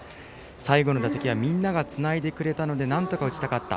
最後の打席はみんながつないでくれたのでなんとか打ちたかった。